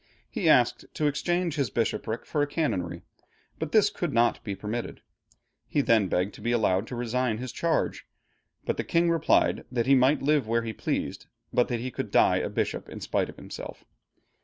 He asked to exchange his bishopric for a canonry, but this could not be permitted. He then begged to be allowed to resign his charge, but the king replied that he might live where he pleased, but that he should die a bishop in spite of himself.